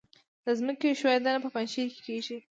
د ځمکې ښویدنه په پنجشیر کې کیږي